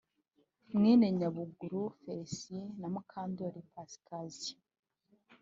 mwene Nyabuguru Felicien na Mukandoli Pascasia